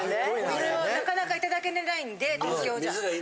これはなかなかいただけないんで東京では。